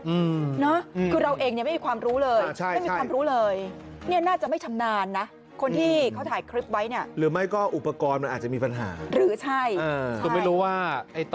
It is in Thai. อืมนะคือเราเองไม่มีความรู้เลยไม่มีความรู้เลยใช่